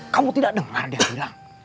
kamu tidak dengar dia bilang